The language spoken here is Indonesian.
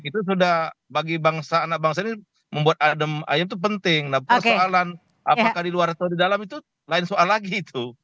itu sudah bagi bangsa anak bangsa ini membuat adem ayu itu penting nah persoalan apakah di luar atau di dalam itu lain soal lagi itu